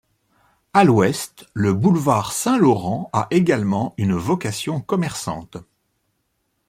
À l'ouest, le boulevard Saint-Laurent a également une vocation commerçante.